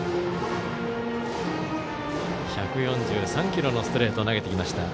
１４３キロのストレートを投げてきました。